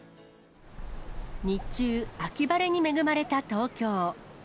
日中、秋晴れに恵まれた東京。